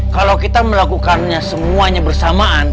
kalau kita melakukannya semuanya bersamaan